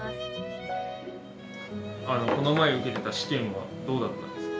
あのこの前受けてた試験はどうだったんですか？